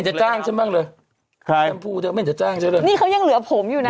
เธอไม่แต่จ้างฉันบ้างเลยเนี่ยเขายังเหลือผมอยู่นะ